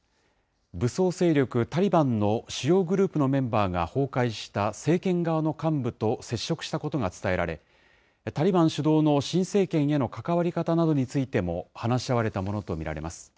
武装勢力タリバンの主要グループのメンバーが崩壊した政権側の幹部と接触したことが伝えられ、タリバン主導の新政権への関わり方などについても話し合われたものと見られます。